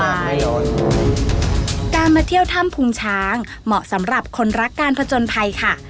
ไม่ร้อนการมาเที่ยวท่ำภูมิช้างเหมาะสำหรับคนรักการผจญภัยค่ะ